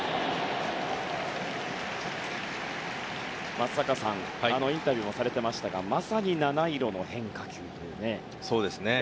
松坂さんはインタビューもされていましたがまさに七色の変化球でね。